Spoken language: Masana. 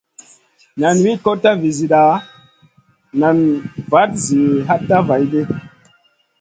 Nen wi kotna vi zida nen vat zi hatna vaidi.